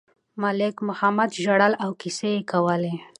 ملک محمد ژړل او کیسې یې کولې.